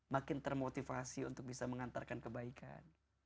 makin termotivasi untuk bisa mengantarkan kebaikan